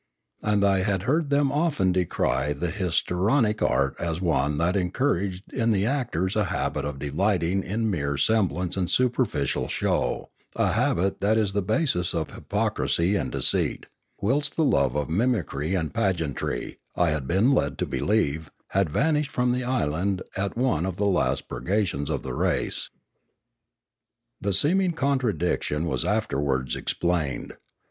And I had heard them often decry the histri onic art as one that encouraged in the actors a habit of delighting in mere semblance and superficial show, a habit that is the basis of hypocrisy and deceit; whilst the love of mimicry and pageantry, I had been led to believe, had vanished from the island at one of the last purgations of the race. The seeming contradiction was afterwards explained.